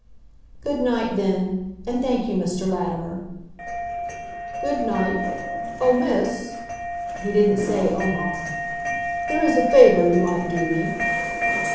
"Good night, then, and thank you, Mr. Latimer." "Good night.... Oh, Miss " He didn't say "Omar" "there is a favor you might do me."